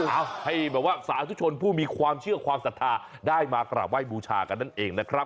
เอาให้แบบว่าสาธุชนผู้มีความเชื่อความศรัทธาได้มากราบไห้บูชากันนั่นเองนะครับ